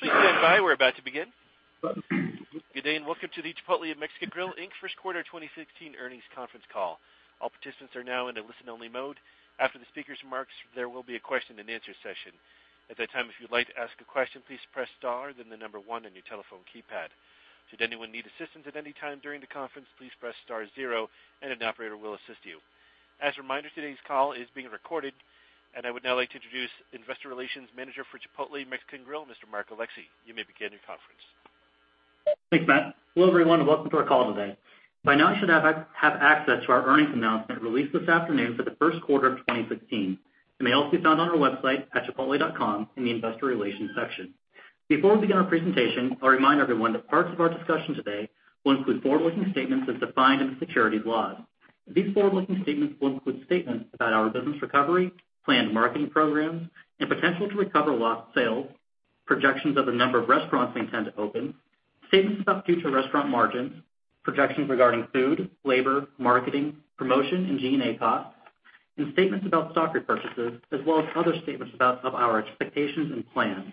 Please stand by. We're about to begin. Good day, and welcome to the Chipotle Mexican Grill, Inc. First Quarter 2016 Earnings Conference Call. All participants are now in a listen-only mode. After the speaker's remarks, there will be a question-and-answer session. At that time, if you'd like to ask a question, please press star, then the number one on your telephone keypad. Should anyone need assistance at any time during the conference, please press star zero and an operator will assist you. As a reminder, today's call is being recorded. I would now like to introduce Investor Relations Manager for Chipotle Mexican Grill, Mr. Mark Alexee. You may begin your conference. Thanks, Matt. Hello, everyone, and welcome to our call today. By now, you should have access to our earnings announcement released this afternoon for the first quarter of 2016. It may also be found on our website at chipotle.com in the Investor Relations section. Before we begin our presentation, I'll remind everyone that parts of our discussion today will include forward-looking statements as defined in the securities laws. These forward-looking statements will include statements about our business recovery, planned marketing programs, and potential to recover lost sales, projections of the number of restaurants we intend to open, statements about future restaurant margins, projections regarding food, labor, marketing, promotion, and G&A costs, and statements about stock repurchases, as well as other statements about our expectations and plans.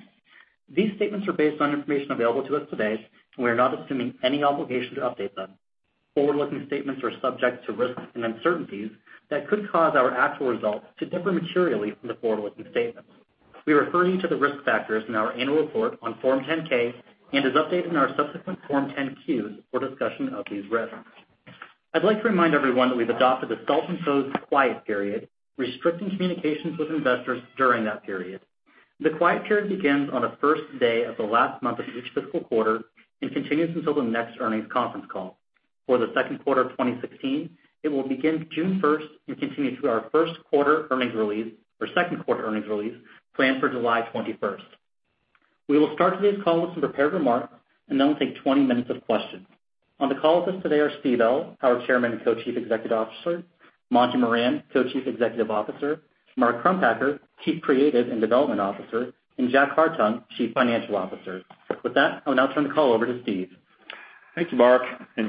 These statements are based on information available to us today. We are not assuming any obligation to update them. Forward-looking statements are subject to risks and uncertainties that could cause our actual results to differ materially from the forward-looking statements. We refer you to the risk factors in our annual report on Form 10-K and as updated in our subsequent Form 10-Qs for a discussion of these risks. I'd like to remind everyone that we've adopted a self-imposed quiet period, restricting communications with investors during that period. The quiet period begins on the first day of the last month of each fiscal quarter and continues until the next earnings conference call. For the second quarter of 2016, it will begin June 1st and continue through our second quarter earnings release, planned for July 21st. We will start today's call with some prepared remarks and then we'll take 20 minutes of questions. On the call with us today are Steve Ells, our Chairman and Co-Chief Executive Officer, Monty Moran, Co-Chief Executive Officer, Mark Crumpacker, Chief Creative and Development Officer, and Jack Hartung, Chief Financial Officer. With that, I'll now turn the call over to Steve. Thank you, Mark,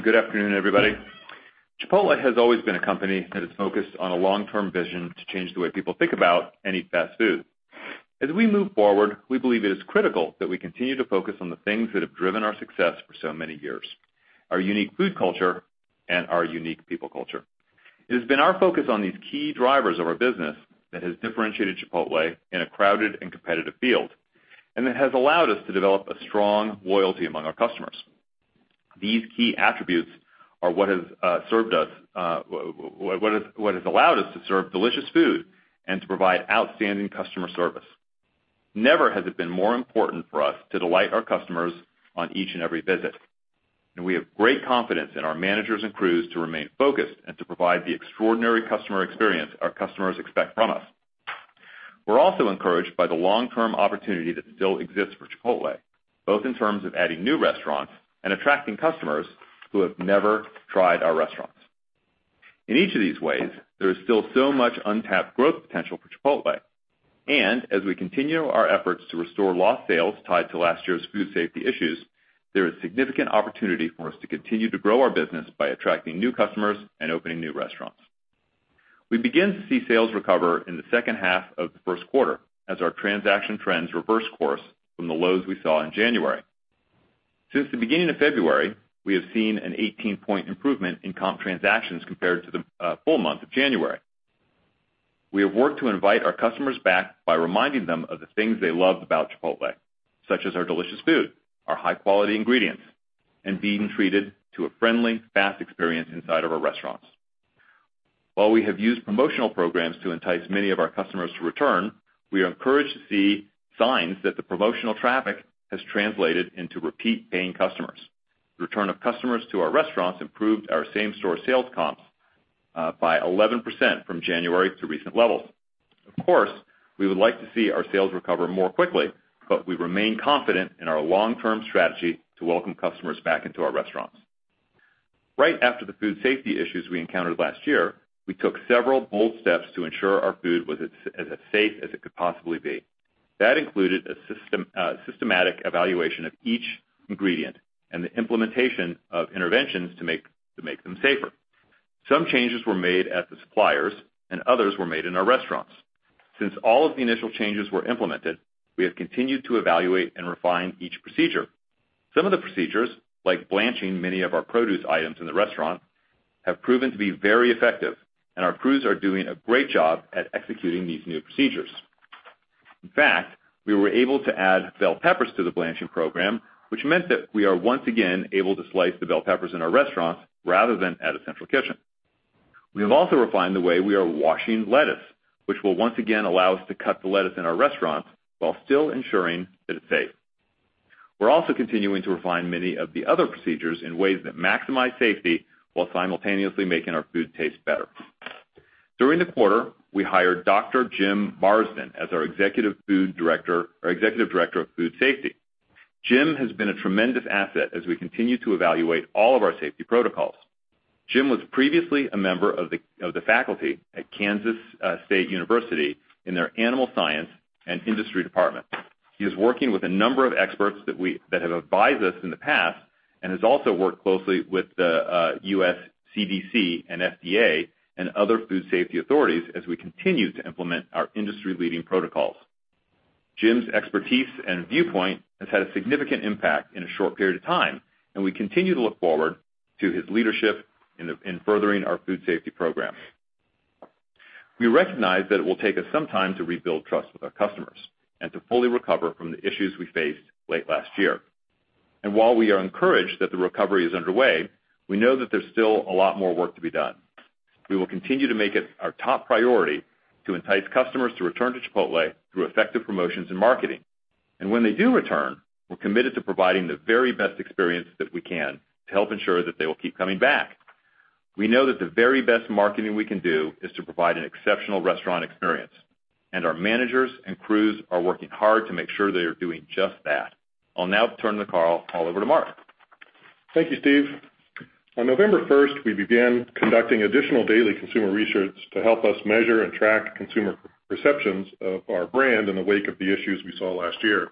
good afternoon, everybody. Chipotle has always been a company that is focused on a long-term vision to change the way people think about and eat fast food. As we move forward, we believe it is critical that we continue to focus on the things that have driven our success for so many years, our unique food culture and our unique people culture. It has been our focus on these key drivers of our business that has differentiated Chipotle in a crowded and competitive field, that has allowed us to develop a strong loyalty among our customers. These key attributes are what have allowed us to serve delicious food and to provide outstanding customer service. Never has it been more important for us to delight our customers on each and every visit. We have great confidence in our managers and crews to remain focused and to provide the extraordinary customer experience our customers expect from us. We're also encouraged by the long-term opportunity that still exists for Chipotle, both in terms of adding new restaurants and attracting customers who have never tried our restaurants. In each of these ways, there is still so much untapped growth potential for Chipotle. As we continue our efforts to restore lost sales tied to last year's food safety issues, there is significant opportunity for us to continue to grow our business by attracting new customers and opening new restaurants. We begin to see sales recover in the second half of the first quarter as our transaction trends reverse course from the lows we saw in January. Since the beginning of February, we have seen an 18-point improvement in comp transactions compared to the full month of January. We have worked to invite our customers back by reminding them of the things they loved about Chipotle, such as our delicious food, our high-quality ingredients, being treated to a friendly, fast experience inside of our restaurants. While we have used promotional programs to entice many of our customers to return, we are encouraged to see signs that the promotional traffic has translated into repeat paying customers. The return of customers to our restaurants improved our same-store sales comps by 11% from January to recent levels. Of course, we would like to see our sales recover more quickly. We remain confident in our long-term strategy to welcome customers back into our restaurants. Right after the food safety issues we encountered last year, we took several bold steps to ensure our food was as safe as it could possibly be. That included a systematic evaluation of each ingredient, the implementation of interventions to make them safer. Some changes were made at the suppliers, others were made in our restaurants. Since all of the initial changes were implemented, we have continued to evaluate and refine each procedure. Some of the procedures, like blanching many of our produce items in the restaurant, have proven to be very effective, our crews are doing a great job at executing these new procedures. In fact, we were able to add bell peppers to the blanching program, that meant that we are once again able to slice the bell peppers in our restaurants rather than at a central kitchen. We have also refined the way we are washing lettuce, which will once again allow us to cut the lettuce in our restaurants while still ensuring that it's safe. We're also continuing to refine many of the other procedures in ways that maximize safety while simultaneously making our food taste better. During the quarter, we hired Dr. Jim Marsden as our executive director of food safety. Jim has been a tremendous asset as we continue to evaluate all of our safety protocols. Jim was previously a member of the faculty at Kansas State University in their animal science and industry department. He has also worked closely with the U.S. CDC and FDA and other food safety authorities as we continue to implement our industry-leading protocols. Jim's expertise and viewpoint has had a significant impact in a short period of time. We continue to look forward to his leadership in furthering our food safety program. We recognize that it will take us some time to rebuild trust with our customers and to fully recover from the issues we faced late last year. While we are encouraged that the recovery is underway, we know that there's still a lot more work to be done. We will continue to make it our top priority to entice customers to return to Chipotle through effective promotions and marketing. When they do return, we're committed to providing the very best experience that we can to help ensure that they will keep coming back. We know that the very best marketing we can do is to provide an exceptional restaurant experience. Our managers and crews are working hard to make sure they are doing just that. I'll now turn the call all over to Mark. Thank you, Steve. On November 1st, we began conducting additional daily consumer research to help us measure and track consumer perceptions of our brand in the wake of the issues we saw last year.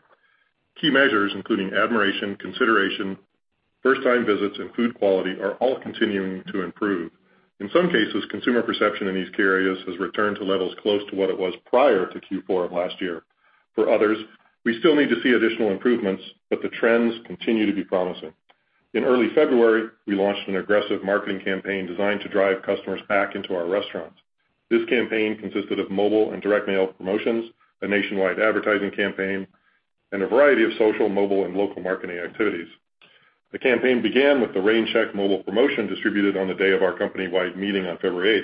Key measures including admiration, consideration, first-time visits, and food quality are all continuing to improve. In some cases, consumer perception in these key areas has returned to levels close to what it was prior to Q4 of last year. For others, we still need to see additional improvements. The trends continue to be promising. In early February, we launched an aggressive marketing campaign designed to drive customers back into our restaurants. This campaign consisted of mobile and direct mail promotions, a nationwide advertising campaign, and a variety of social, mobile, and local marketing activities. The campaign began with the Rain Check mobile promotion distributed on the day of our company-wide meeting on February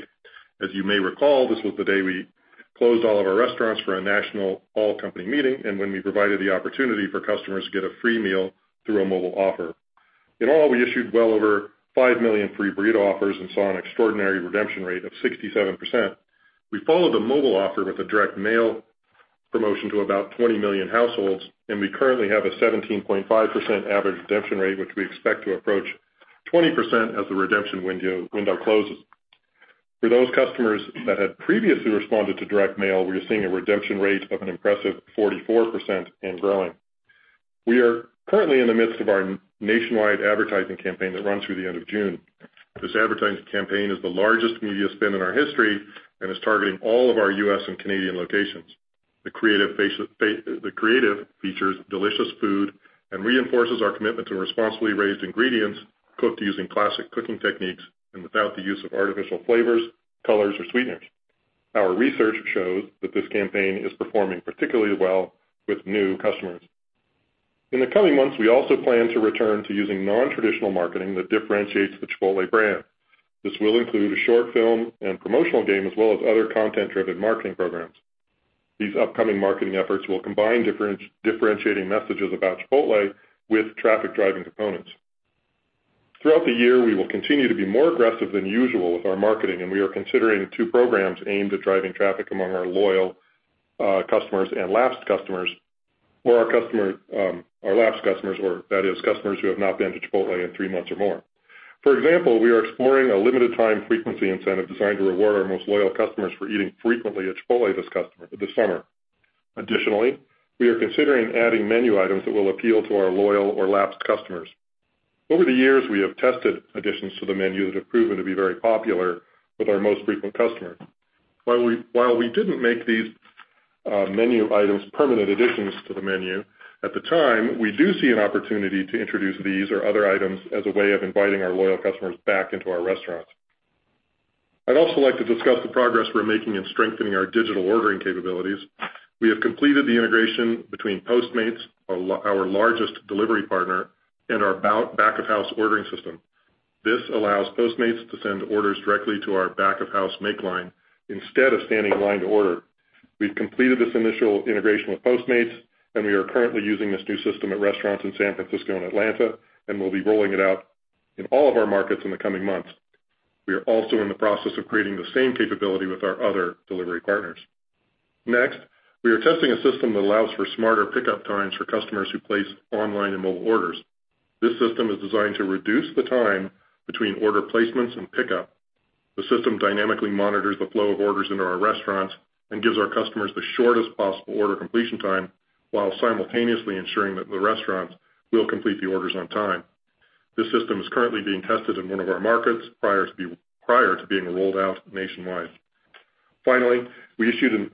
8th. As you may recall, this was the day we closed all of our restaurants for a national all-company meeting, and when we provided the opportunity for customers to get a free meal through a mobile offer. In all, we issued well over 5 million free burrito offers and saw an extraordinary redemption rate of 67%. We followed the mobile offer with a direct mail promotion to about 20 million households, and we currently have a 17.5% average redemption rate, which we expect to approach 20% as the redemption window closes. For those customers that had previously responded to direct mail, we are seeing a redemption rate of an impressive 44% and growing. We are currently in the midst of our nationwide advertising campaign that runs through the end of June. This advertising campaign is the largest media spend in our history and is targeting all of our U.S. and Canadian locations. The creative features delicious food and reinforces our commitment to responsibly raised ingredients, cooked using classic cooking techniques, and without the use of artificial flavors, colors, or sweeteners. Our research shows that this campaign is performing particularly well with new customers. In the coming months, we also plan to return to using non-traditional marketing that differentiates the Chipotle brand. This will include a short film and promotional game, as well as other content-driven marketing programs. These upcoming marketing efforts will combine differentiating messages about Chipotle with traffic-driving components. Throughout the year, we will continue to be more aggressive than usual with our marketing, and we are considering two programs aimed at driving traffic among our loyal customers and lapsed customers, or our lapsed customers, or that is, customers who have not been to Chipotle in three months or more. For example, we are exploring a limited time frequency incentive designed to reward our most loyal customers for eating frequently at Chipotle this summer. Additionally, we are considering adding menu items that will appeal to our loyal or lapsed customers. Over the years, we have tested additions to the menu that have proven to be very popular with our most frequent customers. While we didn't make these menu items permanent additions to the menu at the time, we do see an opportunity to introduce these or other items as a way of inviting our loyal customers back into our restaurants. I'd also like to discuss the progress we're making in strengthening our digital ordering capabilities. We have completed the integration between Postmates, our largest delivery partner, and our back-of-house ordering system. This allows Postmates to send orders directly to our back-of-house make line instead of standing in line to order. We've completed this initial integration with Postmates, and we are currently using this new system at restaurants in San Francisco and Atlanta, and we'll be rolling it out in all of our markets in the coming months. We are also in the process of creating the same capability with our other delivery partners. We are testing a system that allows for smarter pickup times for customers who place online and mobile orders. This system is designed to reduce the time between order placements and pickup. The system dynamically monitors the flow of orders into our restaurants and gives our customers the shortest possible order completion time, while simultaneously ensuring that the restaurants will complete the orders on time. This system is currently being tested in one of our markets prior to being rolled out nationwide. Finally, we issued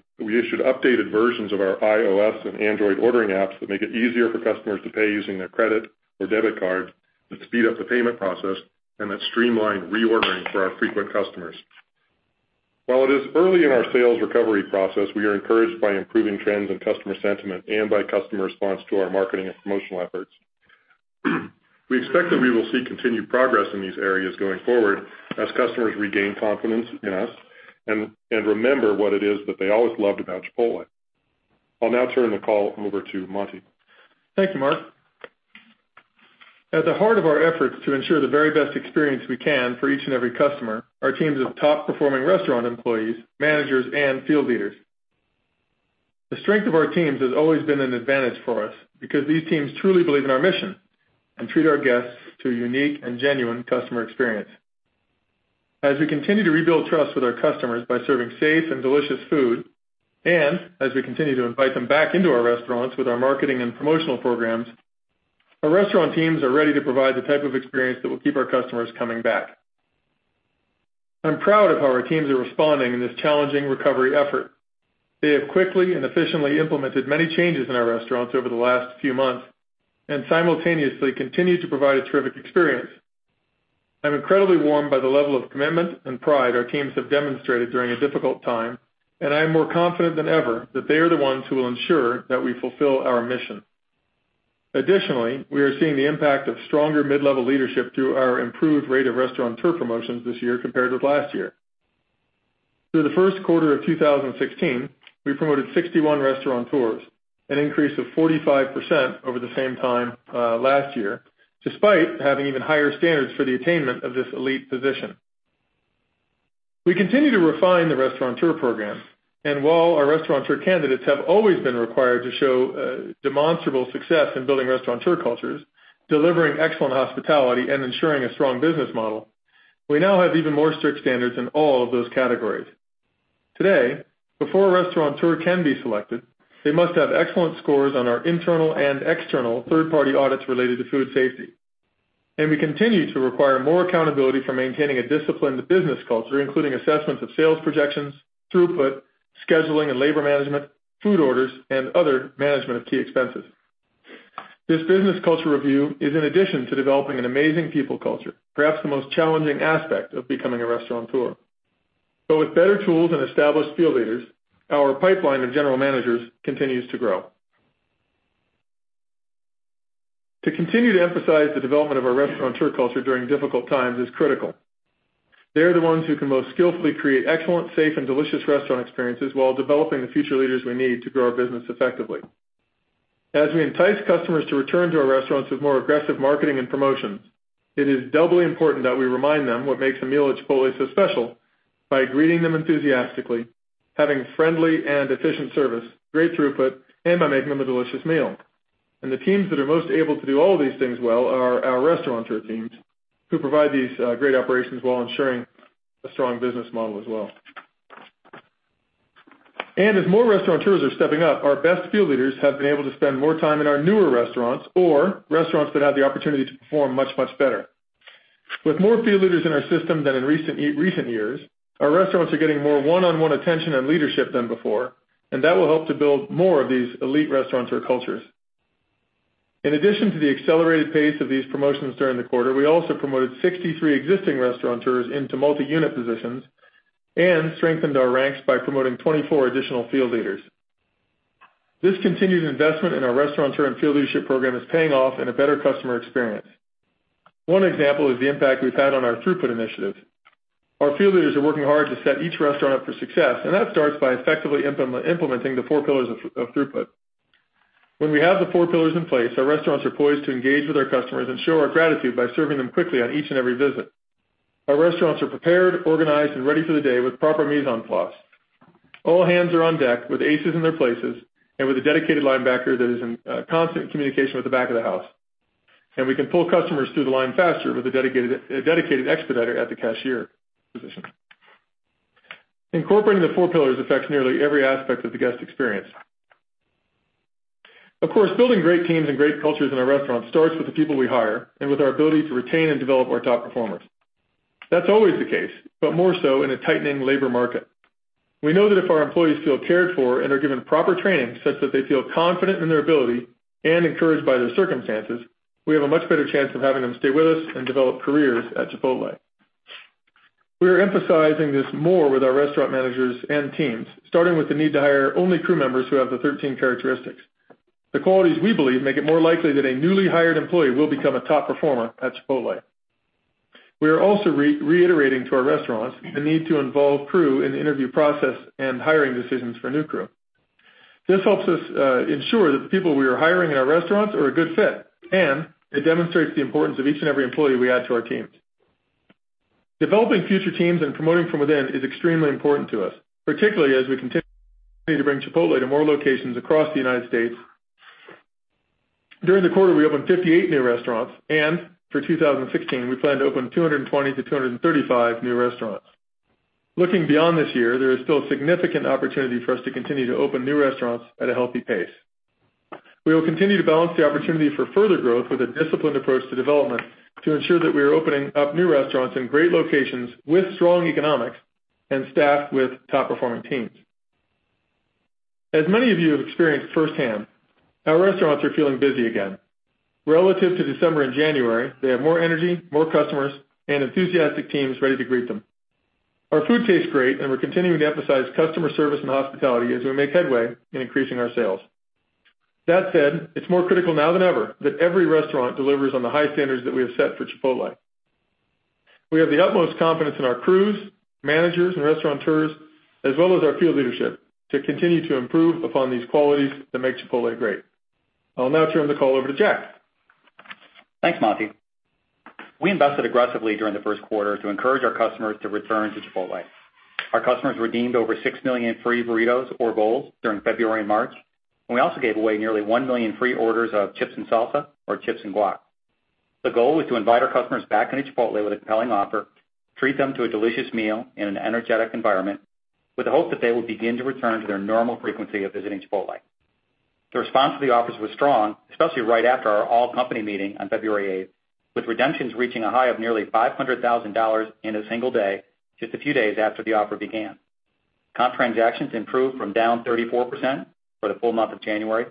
updated versions of our iOS and Android ordering apps that make it easier for customers to pay using their credit or debit cards, that speed up the payment process, and that streamline reordering for our frequent customers. It is early in our sales recovery process, we are encouraged by improving trends in customer sentiment and by customer response to our marketing and promotional efforts. We expect that we will see continued progress in these areas going forward as customers regain confidence in us and remember what it is that they always loved about Chipotle. I'll now turn the call over to Monty. Thank you, Mark. At the heart of our efforts to ensure the very best experience we can for each and every customer, our teams of top-performing restaurant employees, managers, and field leaders. The strength of our teams has always been an advantage for us because these teams truly believe in our mission and treat our guests to a unique and genuine customer experience. As we continue to rebuild trust with our customers by serving safe and delicious food, and as we continue to invite them back into our restaurants with our marketing and promotional programs, our restaurant teams are ready to provide the type of experience that will keep our customers coming back. I'm proud of how our teams are responding in this challenging recovery effort. They have quickly and efficiently implemented many changes in our restaurants over the last few months, and simultaneously continued to provide a terrific experience. I'm incredibly warmed by the level of commitment and pride our teams have demonstrated during a difficult time. I am more confident than ever that they are the ones who will ensure that we fulfill our mission. We are seeing the impact of stronger mid-level leadership through our improved rate of Restaurateur promotions this year compared with last year. Through the first quarter of 2016, we promoted 61 Restaurateurs, an increase of 45% over the same time last year, despite having even higher standards for the attainment of this elite position. We continue to refine the Restaurateur program. While our Restaurateur candidates have always been required to show demonstrable success in building Restaurateur cultures, delivering excellent hospitality, and ensuring a strong business model, we now have even more strict standards in all of those categories. Today, before a Restaurateur can be selected, they must have excellent scores on our internal and external third-party audits related to food safety. We continue to require more accountability for maintaining a disciplined business culture, including assessments of sales projections, throughput, scheduling and labor management, food orders, and other management of key expenses. This business culture review is in addition to developing an amazing people culture, perhaps the most challenging aspect of becoming a Restaurateur. With better tools and established field leaders, our pipeline of general managers continues to grow. To continue to emphasize the development of our Restaurateur culture during difficult times is critical. They're the ones who can most skillfully create excellent, safe, and delicious restaurant experiences while developing the future leaders we need to grow our business effectively. As we entice customers to return to our restaurants with more aggressive marketing and promotions, it is doubly important that we remind them what makes a meal at Chipotle so special by greeting them enthusiastically, having friendly and efficient service, great throughput, and by making them a delicious meal. The teams that are most able to do all of these things well are our Restaurateur teams, who provide these great operations while ensuring a strong business model as well. As more Restaurateurs are stepping up, our best field leaders have been able to spend more time in our newer restaurants or restaurants that have the opportunity to perform much, much better. With more field leaders in our system than in recent years, our restaurants are getting more one-on-one attention and leadership than before, and that will help to build more of these elite Restaurateur cultures. In addition to the accelerated pace of these promotions during the quarter, we also promoted 63 existing Restaurateurs into multi-unit positions and strengthened our ranks by promoting 24 additional field leaders. This continued investment in our Restaurateur and field leadership program is paying off in a better customer experience. One example is the impact we've had on our throughput initiatives. Our field leaders are working hard to set each restaurant up for success, and that starts by effectively implementing the four pillars of throughput. When we have the four pillars in place, our restaurants are poised to engage with our customers and show our gratitude by serving them quickly on each and every visit. Our restaurants are prepared, organized, and ready for the day with proper mise en place. All hands are on deck with aces in their places, and with a dedicated linebacker that is in constant communication with the back of the house. We can pull customers through the line faster with a dedicated expediter at the cashier position. Incorporating the four pillars affects nearly every aspect of the guest experience. Of course, building great teams and great cultures in our restaurants starts with the people we hire and with our ability to retain and develop our top performers. That's always the case, but more so in a tightening labor market. We know that if our employees feel cared for and are given proper training such that they feel confident in their ability and encouraged by their circumstances, we have a much better chance of having them stay with us and develop careers at Chipotle. We are emphasizing this more with our restaurant managers and teams, starting with the need to hire only crew members who have the 13 characteristics. The qualities we believe make it more likely that a newly hired employee will become a top performer at Chipotle. We are also reiterating to our restaurants the need to involve crew in the interview process and hiring decisions for new crew. This helps us ensure that the people we are hiring in our restaurants are a good fit, and it demonstrates the importance of each and every employee we add to our teams. Developing future teams and promoting from within is extremely important to us, particularly as we continue to bring Chipotle to more locations across the U.S. During the quarter, we opened 58 new restaurants, and for 2016, we plan to open 220 to 235 new restaurants. Looking beyond this year, there is still a significant opportunity for us to continue to open new restaurants at a healthy pace. We will continue to balance the opportunity for further growth with a disciplined approach to development to ensure that we are opening up new restaurants in great locations with strong economics and staffed with top-performing teams. As many of you have experienced firsthand, our restaurants are feeling busy again. Relative to December and January, they have more energy, more customers, and enthusiastic teams ready to greet them. Our food tastes great, and we're continuing to emphasize customer service and hospitality as we make headway in increasing our sales. That said, it's more critical now than ever that every restaurant delivers on the high standards that we have set for Chipotle. We have the utmost confidence in our crews, managers, and Restaurateurs, as well as our field leadership, to continue to improve upon these qualities that make Chipotle great. I will now turn the call over to Jack. Thanks, Monty. We invested aggressively during the first quarter to encourage our customers to return to Chipotle. Our customers redeemed over 6 million free burritos or bowls during February and March, and we also gave away nearly 1 million free orders of chips and salsa or chips and guac. The goal was to invite our customers back into Chipotle with a compelling offer, treat them to a delicious meal in an energetic environment with the hope that they will begin to return to their normal frequency of visiting Chipotle. The response to the offers was strong, especially right after our all-company meeting on February 8th, with redemptions reaching a high of nearly $500,000 in a single day, just a few days after the offer began. Comp transactions improved from down 34% for the full month of January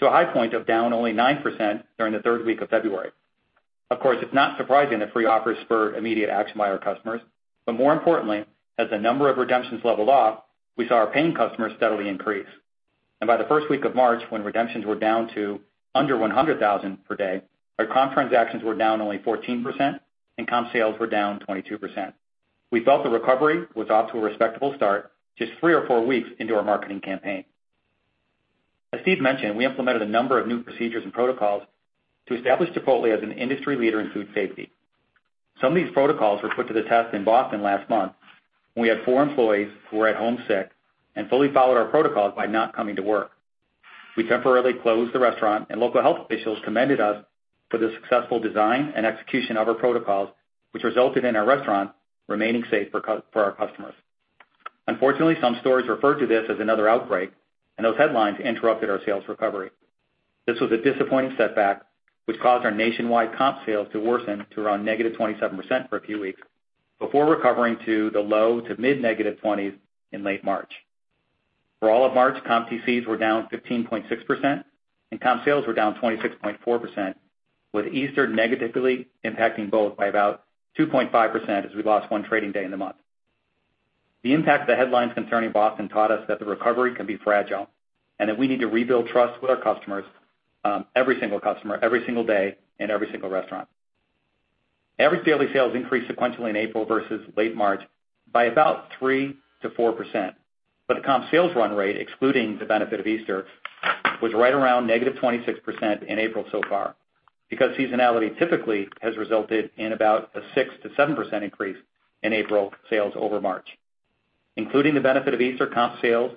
to a high point of down only 9% during the third week of February. It's not surprising that free offers spur immediate action by our customers. More importantly, as the number of redemptions leveled off, we saw our paying customers steadily increase. By the first week of March, when redemptions were down to under 100,000 per day, our comp transactions were down only 14%, and comp sales were down 22%. We felt the recovery was off to a respectable start, just three or four weeks into our marketing campaign. As Steve mentioned, we implemented a number of new procedures and protocols to establish Chipotle as an industry leader in food safety. Some of these protocols were put to the test in Boston last month, when we had four employees who were at home sick and fully followed our protocols by not coming to work. We temporarily closed the restaurant. Local health officials commended us for the successful design and execution of our protocols, which resulted in our restaurant remaining safe for our customers. Unfortunately, some stories referred to this as another outbreak. Those headlines interrupted our sales recovery. This was a disappointing setback, which caused our nationwide comp sales to worsen to around negative 27% for a few weeks, before recovering to the low to mid-negative 20s in late March. For all of March, comp TCs were down 15.6%, and comp sales were down 26.4%, with Easter negatively impacting both by about 2.5% as we lost one trading day in the month. The impact of the headlines concerning Boston taught us that the recovery can be fragile and that we need to rebuild trust with our customers, every single customer, every single day, in every single restaurant. Average daily sales increased sequentially in April versus late March by about 3% to 4%. The comp sales run rate, excluding the benefit of Easter, was right around negative 26% in April so far, because seasonality typically has resulted in about a 6% to 7% increase in April sales over March. Including the benefit of Easter, comp sales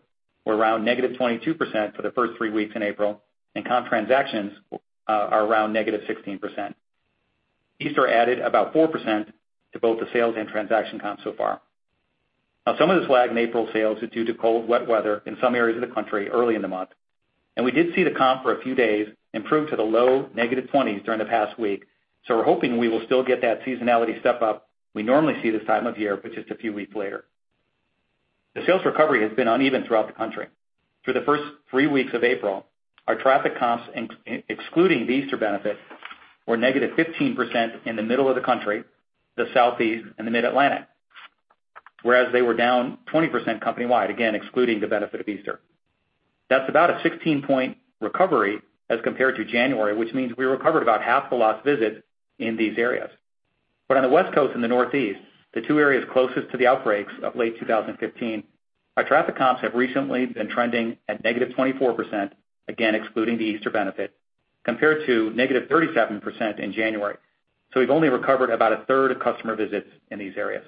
were around negative 22% for the first three weeks in April. Comp transactions are around negative 16%. Easter added about 4% to both the sales and transaction comps so far. Some of this lag in April sales is due to cold, wet weather in some areas of the country early in the month. We did see the comp for a few days improve to the low negative 20s during the past week. We're hoping we will still get that seasonality step-up we normally see this time of year, just a few weeks later. The sales recovery has been uneven throughout the country. Through the first three weeks of April, our traffic comps, excluding the Easter benefit, were negative 15% in the middle of the country, the Southeast and the Mid-Atlantic. Whereas they were down 20% company-wide, again, excluding the benefit of Easter. That's about a 16-point recovery as compared to January, which means we recovered about half the lost visits in these areas. On the West Coast and the Northeast, the two areas closest to the outbreaks of late 2015, our traffic comps have recently been trending at negative 24%, again excluding the Easter benefit, compared to negative 37% in January. We've only recovered about a third of customer visits in these areas.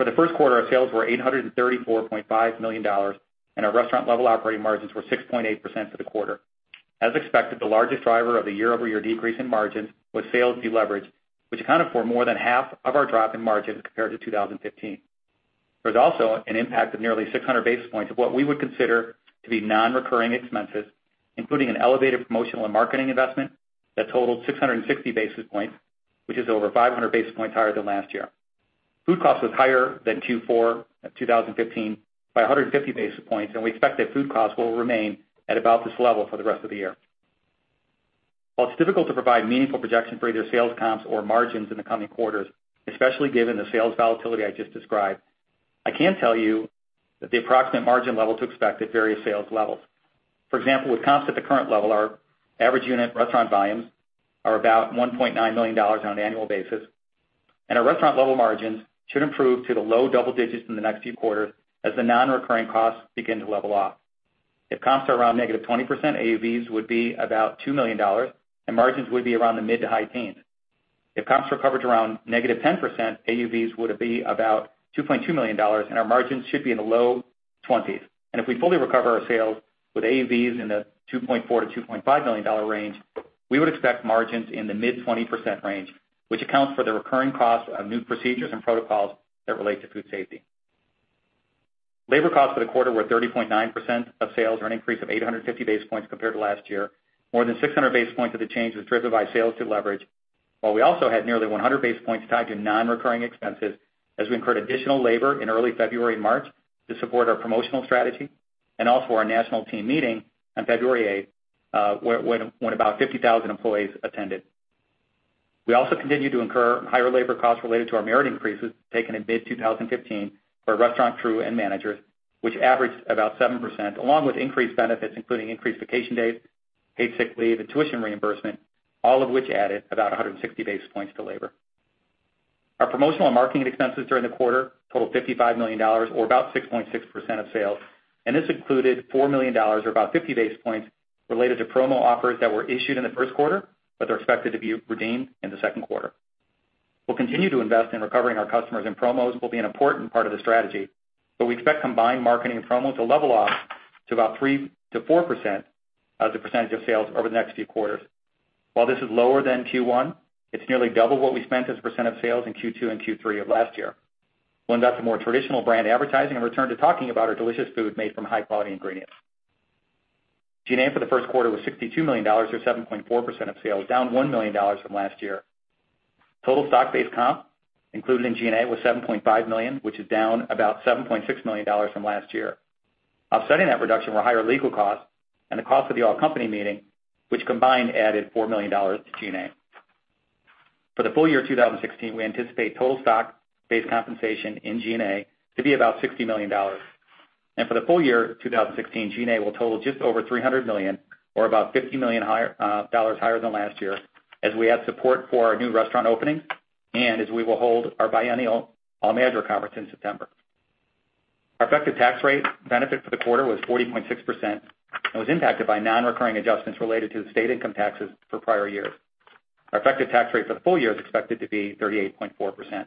For the first quarter, our sales were $834.5 million, and our restaurant level operating margins were 6.8% for the quarter. As expected, the largest driver of the year-over-year decrease in margins was sales deleverage, which accounted for more than half of our drop in margins compared to 2015. There's also an impact of nearly 600 basis points of what we would consider to be non-recurring expenses, including an elevated promotional and marketing investment that totaled 660 basis points, which is over 500 basis points higher than last year. Food cost was higher than Q4 of 2015 by 150 basis points, and we expect that food costs will remain at about this level for the rest of the year. While it's difficult to provide meaningful projection for either sales comps or margins in the coming quarters, especially given the sales volatility I just described, I can tell you that the approximate margin level to expect at various sales levels. For example, with comps at the current level, our average unit restaurant volumes are about $1.9 million on an annual basis, and our restaurant level margins should improve to the low double digits in the next few quarters as the non-recurring costs begin to level off. If comps are around negative 20%, AUVs would be about $2 million, and margins would be around the mid to high teens. If comps recovered around negative 10%, AUVs would be about $2.2 million, and our margins should be in the low 20s. If we fully recover our sales with AUVs in the $2.4 million-$2.5 million range, we would expect margins in the mid-20% range, which accounts for the recurring costs of new procedures and protocols that relate to food safety. Labor costs for the quarter were 30.9% of sales or an increase of 850 basis points compared to last year. More than 600 basis points of the change was driven by sales to leverage, while we also had nearly 100 basis points tied to non-recurring expenses, as we incurred additional labor in early February and March to support our promotional strategy, and also our national team meeting on February 8th, when about 50,000 employees attended. We also continued to incur higher labor costs related to our merit increases taken in mid-2015 for restaurant crew and managers, which averaged about 7%, along with increased benefits including increased vacation days, paid sick leave and tuition reimbursement, all of which added about 160 basis points to labor. Our promotional and marketing expenses during the quarter totaled $55 million or about 6.6% of sales. This included $4 million or about 50 basis points related to promo offers that were issued in the first quarter, but they're expected to be redeemed in the second quarter. We'll continue to invest in recovering our customers, and promos will be an important part of the strategy, but we expect combined marketing and promos to level off to about 3%-4% as a percentage of sales over the next few quarters. While this is lower than Q1, it's nearly double what we spent as a percent of sales in Q2 and Q3 of last year. We'll invest in more traditional brand advertising and return to talking about our delicious food made from high-quality ingredients. G&A for the first quarter was $62 million, or 7.4% of sales, down $1 million from last year. Total stock-based comp included in G&A was $7.5 million, which is down about $7.6 million from last year. Offsetting that reduction were higher legal costs and the cost of the all-company meeting, which combined added $4 million to G&A. For the full year 2016, we anticipate total stock-based compensation in G&A to be about $60 million. For the full year 2016, G&A will total just over $300 million or about $50 million higher than last year, as we add support for our new restaurant openings and as we will hold our biennial all-manager conference in September. Our effective tax rate benefit for the quarter was 40.6%, and was impacted by non-recurring adjustments related to the state income taxes for prior years. Our effective tax rate for the full year is expected to be 38.4%.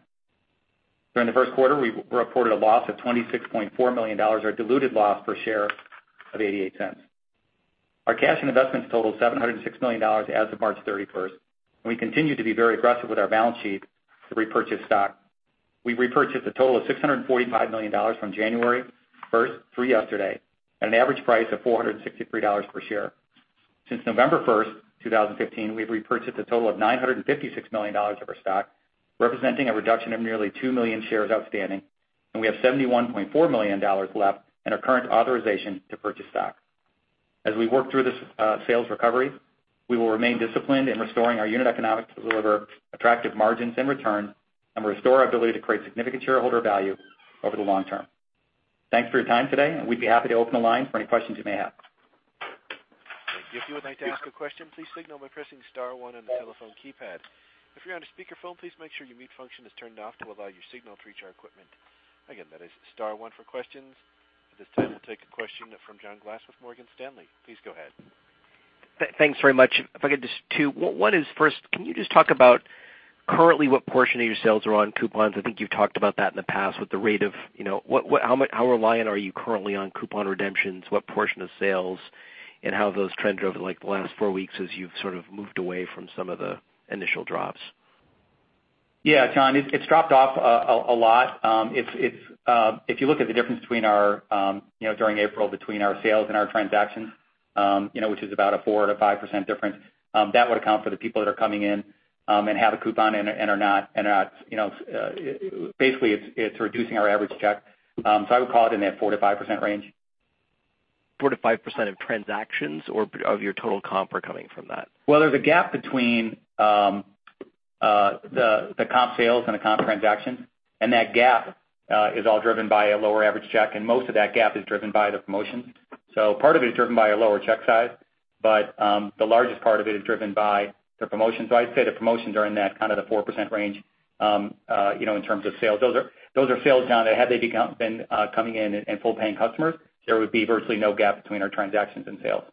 During the first quarter, we reported a loss of $26.4 million, or a diluted loss per share of $0.88. Our cash and investments totaled $706 million as of March 31st, and we continue to be very aggressive with our balance sheet to repurchase stock. We've repurchased a total of $645 million from January 1st through yesterday at an average price of $463 per share. Since November 1st, 2015, we've repurchased a total of $956 million of our stock, representing a reduction of nearly two million shares outstanding, and we have $71.4 million left in our current authorization to purchase stock. As we work through this sales recovery, we will remain disciplined in restoring our unit economics to deliver attractive margins in return and restore our ability to create significant shareholder value over the long term. Thanks for your time today, and we'd be happy to open the line for any questions you may have. Thank you. If you would like to ask a question, please signal by pressing *1 on the telephone keypad. If you're on a speakerphone, please make sure your mute function is turned off to allow your signal to reach our equipment. Again, that is *1 for questions. At this time, we'll take a question from John Glass with Morgan Stanley. Please go ahead. Thanks very much. Two. One is first, can you just talk about currently what portion of your sales are on coupons? I think you've talked about that in the past with the rate of how reliant are you currently on coupon redemptions, what portion of sales and how have those trended over the last four weeks as you've sort of moved away from some of the initial drops? Yeah, John, it's dropped off a lot. If you look at the difference during April between our sales and our transactions, which is about a 4%-5% difference, that would account for the people that are coming in and have a coupon. Basically, it's reducing our average check. I would call it in that 4%-5% range. 4%-5% of transactions or of your total comp are coming from that? There's a gap between the comp sales and the comp transactions, and that gap is all driven by a lower average check, and most of that gap is driven by the promotions. Part of it is driven by a lower check size, but the largest part of it is driven by the promotions. I'd say the promotions are in that 4% range in terms of sales. Those are sales now that had they been coming in and full-paying customers, there would be virtually no gap between our transactions and sales.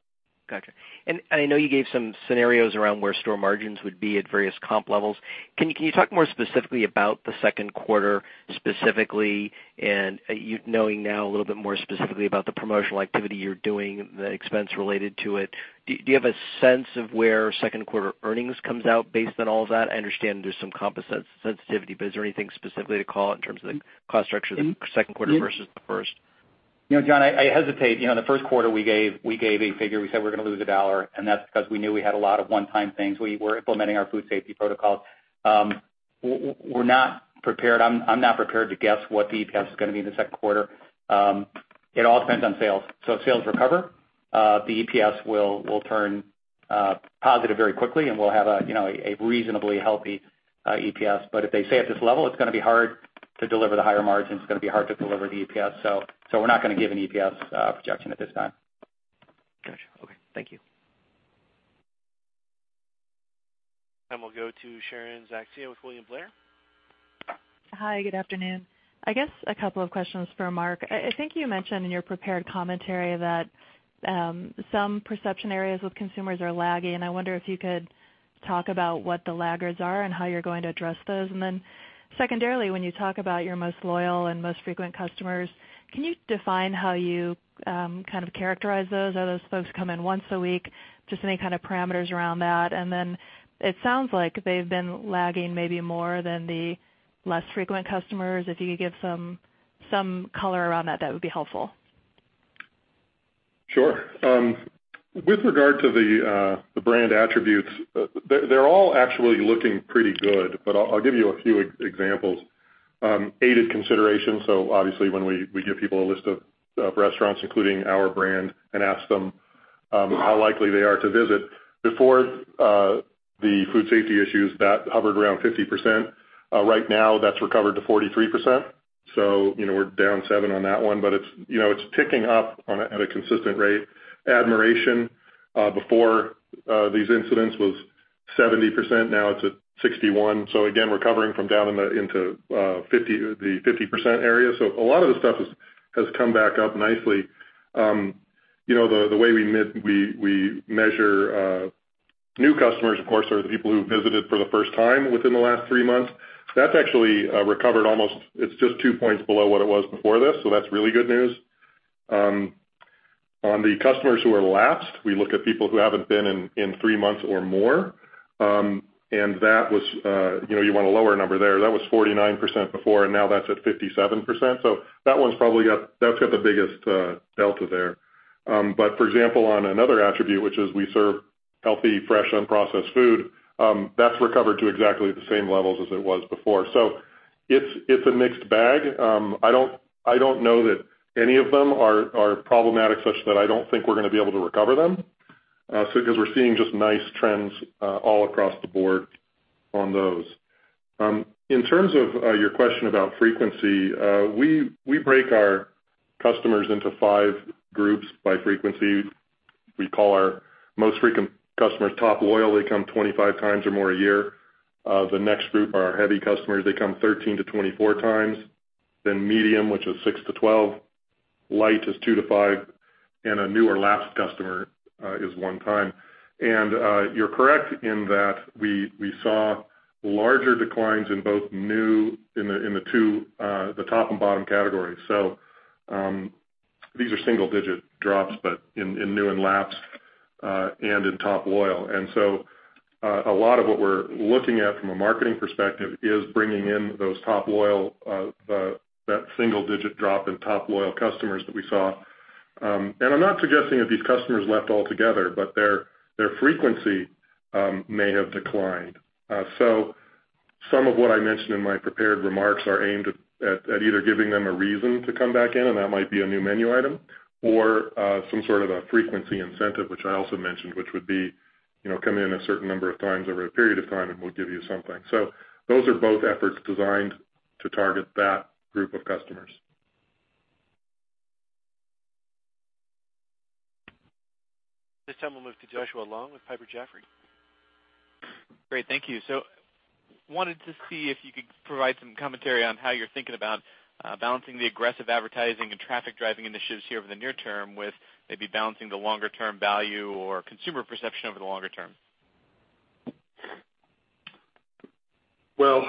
Got you. I know you gave some scenarios around where store margins would be at various comp levels. Can you talk more specifically about the second quarter, specifically, and knowing now a little bit more specifically about the promotional activity you're doing, the expense related to it. Do you have a sense of where second quarter earnings comes out based on all of that? I understand there's some comp sensitivity, is there anything specifically to call out in terms of the cost structure the second quarter versus the first? John, I hesitate. The first quarter we gave a figure. We said we're going to lose a dollar, that's because we knew we had a lot of one-time things. We were implementing our food safety protocols. I'm not prepared to guess what the EPS is going to be in the second quarter. It all depends on sales. If sales recover, the EPS will turn positive very quickly, we'll have a reasonably healthy EPS. If they stay at this level, it's going to be hard to deliver the higher margins. It's going to be hard to deliver the EPS. We're not going to give an EPS projection at this time. Got you. Okay. Thank you. We'll go to Sharon Zackfia with William Blair. Hi, good afternoon. I guess a couple of questions for Mark. I think you mentioned in your prepared commentary that some perception areas with consumers are lagging. I wonder if you could talk about what the laggards are and how you're going to address those. Secondarily, when you talk about your most loyal and most frequent customers, can you define how you kind of characterize those? Are those folks who come in once a week? Just any kind of parameters around that. It sounds like they've been lagging maybe more than the less frequent customers. If you could give some color around that would be helpful. Sure. With regard to the brand attributes, they're all actually looking pretty good, but I'll give you a few examples. Aided consideration, obviously when we give people a list of restaurants, including our brand, and ask them how likely they are to visit. Before the food safety issues, that hovered around 50%. Right now, that's recovered to 43%. We're down seven on that one, but it's ticking up at a consistent rate. Admiration, before these incidents was 70%, now it's at 61%. Again, we're recovering from down into the 50% area. A lot of the stuff has come back up nicely. The way we measure new customers, of course, are the people who visited for the first time within the last three months. That's actually recovered almost. It's just two points below what it was before this, that's really good news. On the customers who are lapsed, we look at people who haven't been in three months or more. You want a lower number there. That was 49% before, now that's at 57%. That's got the biggest delta there. For example, on another attribute, which is we serve healthy, fresh, unprocessed food, that's recovered to exactly the same levels as it was before. It's a mixed bag. I don't know that any of them are problematic such that I don't think we're going to be able to recover them, because we're seeing just nice trends all across the board on those. In terms of your question about frequency, we break our customers into five groups by frequency. We call our most frequent customers top loyal. They come 25 times or more a year. The next group are our heavy customers. They come 13 to 24 times. Medium, which is six to 12. Light is two to five, a new or lapsed customer is one time. You're correct in that we saw larger declines in both new in the two, the top and bottom categories. These are single-digit drops, but in new and lapsed, and in top loyal. A lot of what we're looking at from a marketing perspective is bringing in that single-digit drop in top loyal customers that we saw. I'm not suggesting that these customers left altogether, but their frequency may have declined. Some of what I mentioned in my prepared remarks are aimed at either giving them a reason to come back in. That might be a new menu item or some sort of a frequency incentive, which I also mentioned, which would be come in a certain number of times over a period of time. We'll give you something. Those are both efforts designed to target that group of customers. This time, we'll move to Joshua Long with Piper Jaffray. Great. Thank you. Wanted to see if you could provide some commentary on how you're thinking about balancing the aggressive advertising and traffic-driving initiatives here over the near term with maybe balancing the longer-term value or consumer perception over the longer term. Well,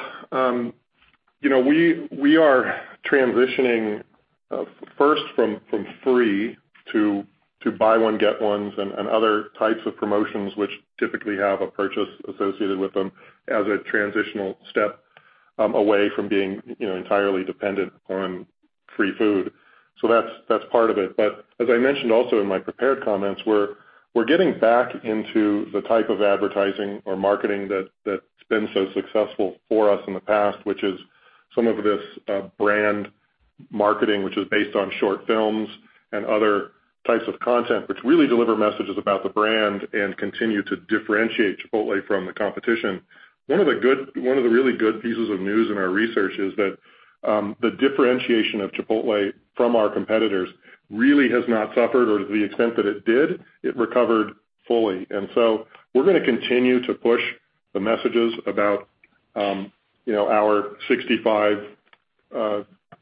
we are transitioning first from free to buy one, get ones, and other types of promotions which typically have a purchase associated with them as a transitional step away from being entirely dependent on free food. That's part of it. As I mentioned also in my prepared comments, we're getting back into the type of advertising or marketing that's been so successful for us in the past, which is some of this brand marketing, which is based on short films and other types of content, which really deliver messages about the brand and continue to differentiate Chipotle from the competition. One of the really good pieces of news in our research is that the differentiation of Chipotle from our competitors really has not suffered. To the extent that it did, it recovered fully. We're going to continue to push the messages about our 65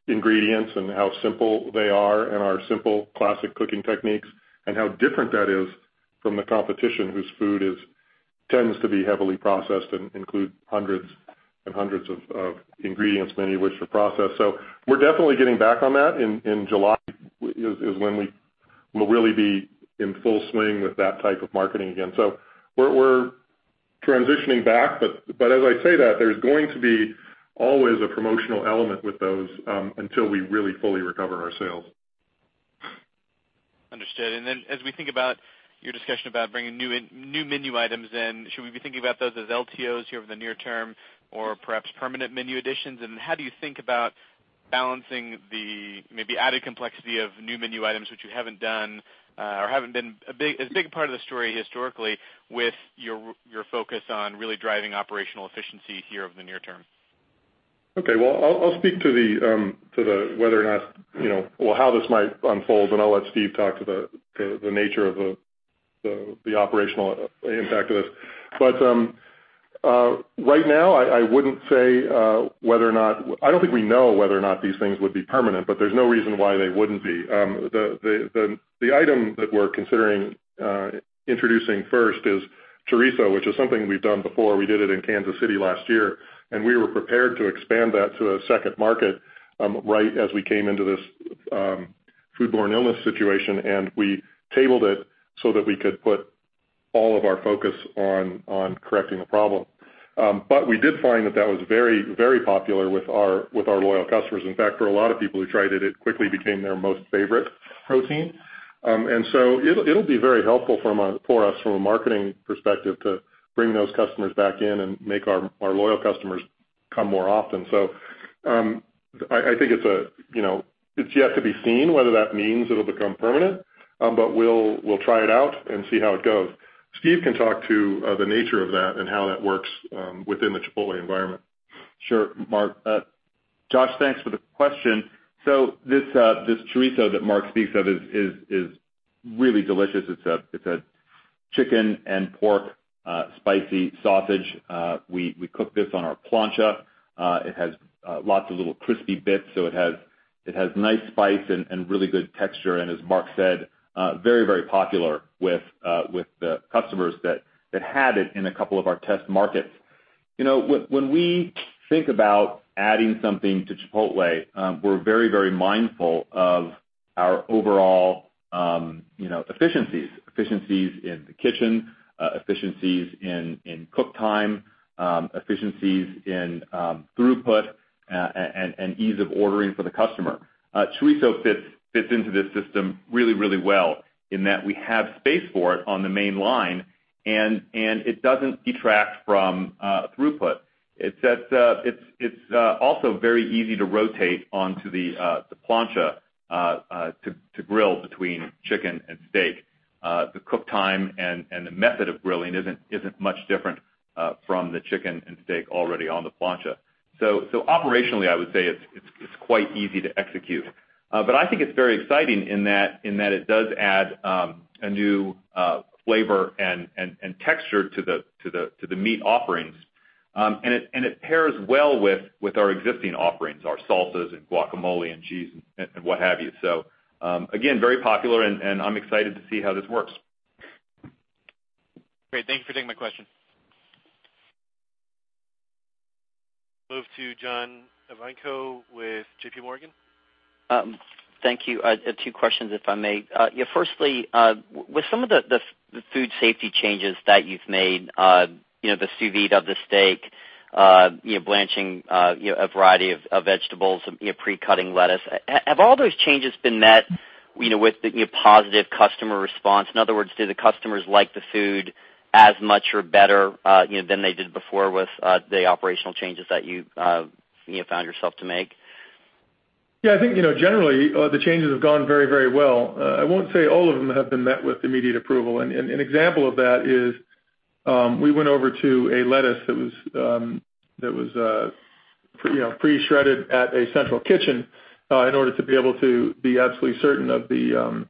ingredients and how simple they are and our simple classic cooking techniques and how different that is from the competition, whose food tends to be heavily processed and includes hundreds and hundreds of ingredients, many of which are processed. So we're definitely getting back on that. In July is when we will really be in full swing with that type of marketing again. We're transitioning back, but as I say that, there's going to be always a promotional element with those until we really fully recover our sales. Understood. As we think about your discussion about bringing new menu items in, should we be thinking about those as LTOs here over the near term or perhaps permanent menu additions? How do you think about balancing the maybe added complexity of new menu items which you haven't done or haven't been as big a part of the story historically with your focus on really driving operational efficiency here over the near term? Okay. Well, I'll speak to the whether or not, how this might unfold, and I'll let Steve talk to the nature of the operational impact of this. But right now, I wouldn't say I don't think we know whether or not these things would be permanent, but there's no reason why they wouldn't be. The item that we're considering introducing first is chorizo, which is something we've done before. We did it in Kansas City last year, and we were prepared to expand that to a second market right as we came into this foodborne illness situation, and we tabled it so that we could put all of our focus on correcting the problem. But we did find that that was very popular with our loyal customers. In fact, for a lot of people who tried it quickly became their most favorite protein. It'll be very helpful for us from a marketing perspective to bring those customers back in and make our loyal customers come more often. So I think it's yet to be seen whether that means it'll become permanent, but we'll try it out and see how it goes. Steve can talk to the nature of that and how that works within the Chipotle environment. Sure, Mark. Josh, thanks for the question. This chorizo that Mark speaks of is really delicious. It's a chicken and pork, spicy sausage. We cook this on our plancha. It has lots of little crispy bits. It has nice spice and really good texture, and as Mark said, very popular with the customers that had it in a couple of our test markets. When we think about adding something to Chipotle, we're very mindful of our overall efficiencies. Efficiencies in the kitchen, efficiencies in cook time, efficiencies in throughput, and ease of ordering for the customer. chorizo fits into this system really well in that we have space for it on the main line, and it doesn't detract from throughput. It's also very easy to rotate onto the plancha to grill between chicken and steak. The cook time and the method of grilling isn't much different from the chicken and steak already on the plancha. Operationally, I would say it's quite easy to execute. I think it's very exciting in that it does add a new flavor and texture to the meat offerings. It pairs well with our existing offerings, our salsas and guacamole and cheese and what have you. Again, very popular, and I'm excited to see how this works. Great. Thank you for taking my question. Move to John Ivankoe with JPMorgan. Thank you. Two questions, if I may. Yeah, firstly, with some of the food safety changes that you've made, the sous vide of the steak, blanching a variety of vegetables, pre-cutting lettuce, have all those changes been met with positive customer response? In other words, do the customers like the food as much or better than they did before with the operational changes that you found yourself to make? Yeah, I think generally, the changes have gone very well. I won't say all of them have been met with immediate approval. An example of that is, we went over to a lettuce that was pre-shredded at a central kitchen in order to be able to be absolutely certain that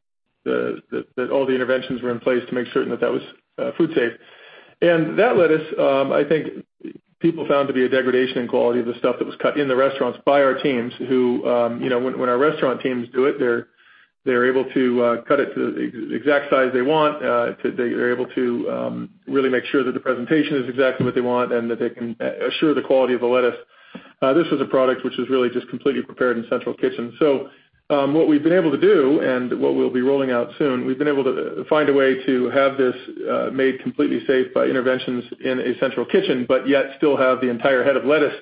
all the interventions were in place to make certain that was food safe. That lettuce, I think people found to be a degradation in quality of the stuff that was cut in the restaurants by our teams who, when our restaurant teams do it, they're able to cut it to the exact size they want. They're able to really make sure that the presentation is exactly what they want and that they can assure the quality of the lettuce. This was a product which was really just completely prepared in central kitchen. What we've been able to do, and what we'll be rolling out soon, we've been able to find a way to have this made completely safe by interventions in a central kitchen, but yet still have the entire head of lettuce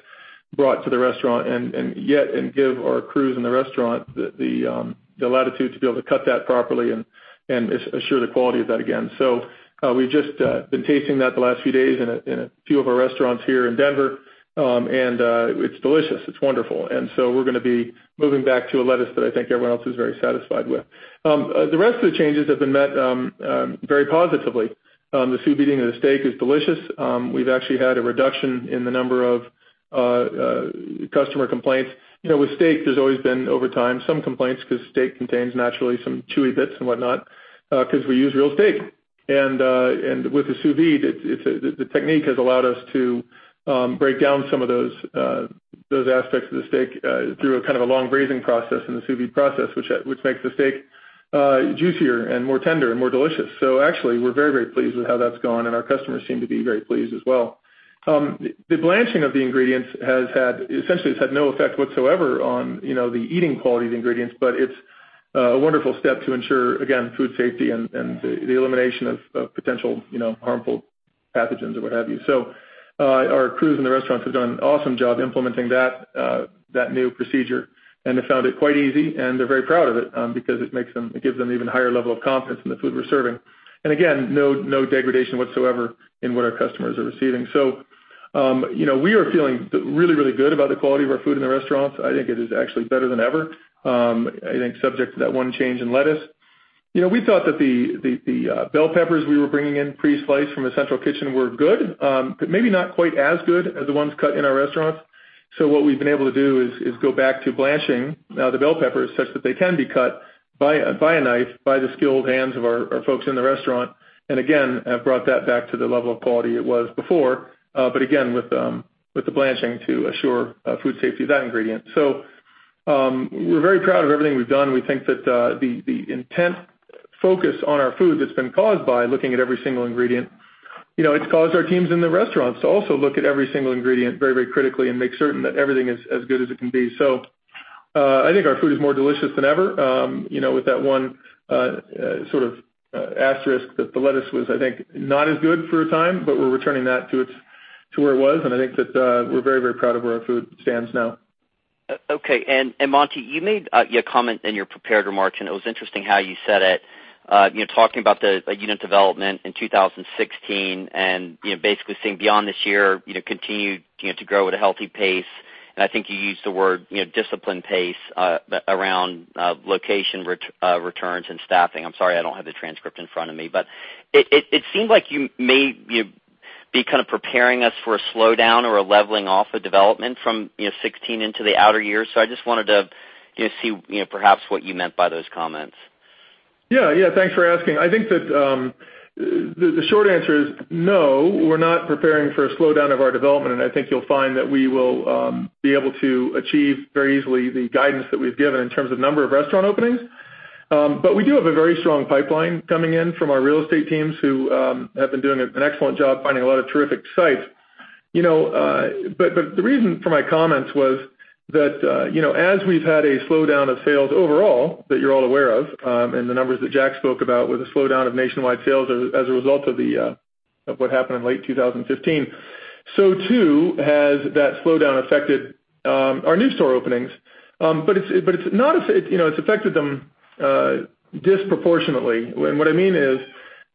brought to the restaurant and give our crews in the restaurant the latitude to be able to cut that properly and assure the quality of that again. We've just been tasting that the last few days in a few of our restaurants here in Denver, and it's delicious. It's wonderful. We're going to be moving back to a lettuce that I think everyone else is very satisfied with. The rest of the changes have been met very positively. The sous viding of the steak is delicious. We've actually had a reduction in the number of customer complaints. With steak, there's always been, over time, some complaints because steak contains naturally some chewy bits and whatnot, because we use real steak. With the sous vide, the technique has allowed us to break down some of those aspects of the steak through a long braising process and the sous vide process, which makes the steak juicier and more tender and more delicious. Actually, we're very pleased with how that's gone, and our customers seem to be very pleased as well. The blanching of the ingredients essentially has had no effect whatsoever on the eating quality of the ingredients, but it's a wonderful step to ensure, again, food safety and the elimination of potential harmful pathogens or what have you. Our crews in the restaurants have done an awesome job implementing that new procedure, have found it quite easy, and they're very proud of it because it gives them even higher level of confidence in the food we're serving. Again, no degradation whatsoever in what our customers are receiving. We are feeling really good about the quality of our food in the restaurants. I think it is actually better than ever, I think subject to that one change in lettuce. We thought that the bell peppers we were bringing in pre-sliced from a central kitchen were good, but maybe not quite as good as the ones cut in our restaurants. What we've been able to do is go back to blanching now the bell peppers such that they can be cut by a knife, by the skilled hands of our folks in the restaurant, again, have brought that back to the level of quality it was before. Again, with the blanching to assure food safety of that ingredient. We're very proud of everything we've done. We think that the intent focus on our food that's been caused by looking at every single ingredient, it's caused our teams in the restaurants to also look at every single ingredient very critically and make certain that everything is as good as it can be. I think our food is more delicious than ever with that one sort of asterisk that the lettuce was, I think, not as good for a time, we're returning that to where it was, I think that we're very proud of where our food stands now. Okay. Monty, you made a comment in your prepared remarks, it was interesting how you said it, talking about the unit development in 2016, basically saying beyond this year, continue to grow at a healthy pace. I think you used the word disciplined pace around location returns and staffing. I'm sorry, I don't have the transcript in front of me. It seemed like you may be kind of preparing us for a slowdown or a leveling off of development from 2016 into the outer years. I just wanted to see perhaps what you meant by those comments. Thanks for asking. I think that the short answer is no, we're not preparing for a slowdown of our development. I think you'll find that we will be able to achieve very easily the guidance that we've given in terms of number of restaurant openings. We do have a very strong pipeline coming in from our real estate teams, who have been doing an excellent job finding a lot of terrific sites. The reason for my comments was that, as we've had a slowdown of sales overall that you're all aware of, and the numbers that Jack spoke about with a slowdown of nationwide sales as a result of what happened in late 2015, too has that slowdown affected our new store openings. It's affected them disproportionately. What I mean is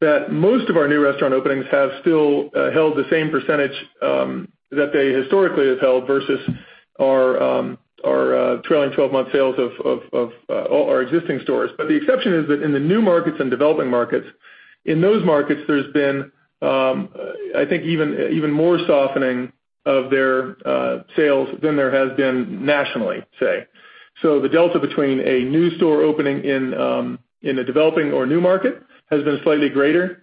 that most of our new restaurant openings have still held the same percentage that they historically have held versus our trailing 12-month sales of all our existing stores. The exception is that in the new markets and developing markets, in those markets, there's been I think, even more softening of their sales than there has been nationally, say. The delta between a new store opening in a developing or new market has been slightly greater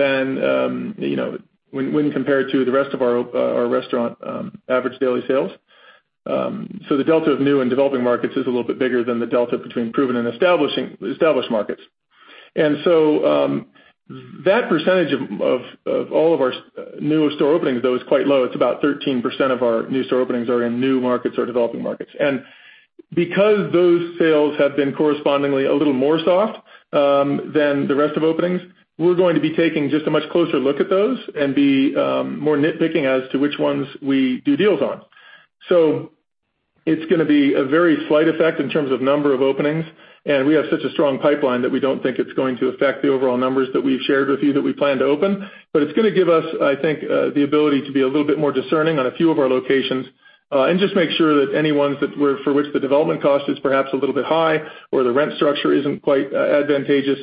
when compared to the rest of our restaurant average daily sales. The delta of new and developing markets is a little bit bigger than the delta between proven and established markets. That percentage of all of our newer store openings, though, is quite low. It's about 13% of our new store openings are in new markets or developing markets. Because those sales have been correspondingly a little more soft than the rest of openings, we're going to be taking just a much closer look at those and be more nitpicking as to which ones we do deals on. It's going to be a very slight effect in terms of number of openings, and we have such a strong pipeline that we don't think it's going to affect the overall numbers that we've shared with you that we plan to open. It's going to give us, I think, the ability to be a little bit more discerning on a few of our locations, and just make sure that any ones for which the development cost is perhaps a little bit high or the rent structure isn't quite advantageous,